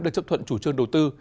được chấp thuận chủ trương đầu tư